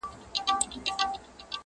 دغه ساغر هغه ساغر هره ورځ نارې وهي~